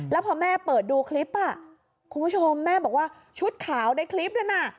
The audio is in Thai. แล้วพอแม่เปิดดูคลิปคุณผู้ชมแม่บอกว่าชุดขาวในคลิปนั้นน่ะ